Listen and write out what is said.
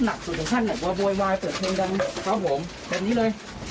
แล้วตอนนี้พร้อมแล้วโทษตามก่อนบ่ายนะพี่นะ